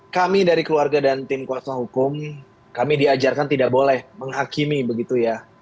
kami dari keluarga dan tim kuasa hukum kami diajarkan tidak boleh menghakimi begitu ya